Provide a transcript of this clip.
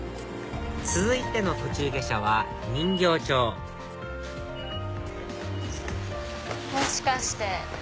続いての途中下車は人形町もしかして。